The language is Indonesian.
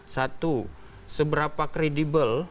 satu seberapa kredibel